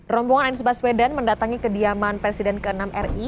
rombongan anies baswedan mendatangi kediaman presiden ke enam ri